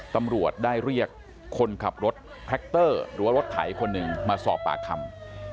ตำรวจได้เรียกคนขับรถแพคเตอร์หรือว่ารถไถคนหนึ่งมาสอบปากคำ